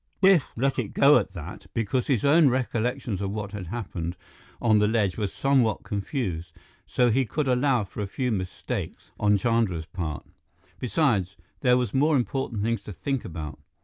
Biff let it go at that, because his own recollections of what had happened on the ledge were somewhat confused, so he could allow for a few mistakes on Chandra's part. Besides, there were more important things to think about.